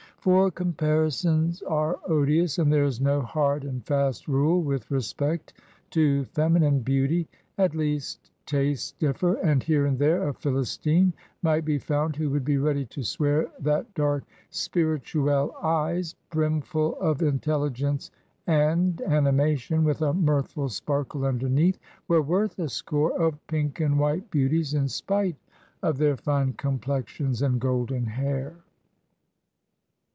For comparisons are odious, and there is no hard and fast rule with respect to feminine beauty; at least, tastes differ, and here and there a Philistine might be found who would be ready to swear that dark spirituelle eyes, brimful of intelligence and animation, with a mirthful sparkle underneath, were worth a score of pink and white beauties, in spite of their fine complexions and golden hair.